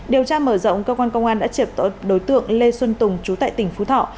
điều tra mở rộng cơ quan công an đã triệt đối tượng lê xuân tùng chú tại tỉnh phú thọ